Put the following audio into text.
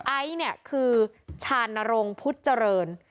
ไอซ์เนี่ยคือชานรงค์พุทธเจริญ